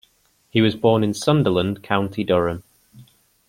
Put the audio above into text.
He was born in Sunderland, County Durham.